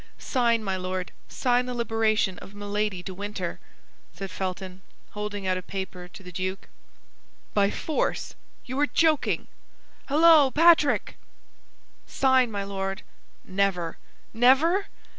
"Sign, my Lord; sign the liberation of Milady de Winter," said Felton, holding out a paper to the duke. "By force? You are joking! Holloa, Patrick!" "Sign, my Lord!" "Never." "Never?"